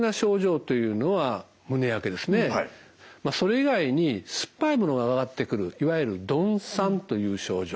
それ以外に酸っぱいものが上がってくるいわゆる呑酸という症状。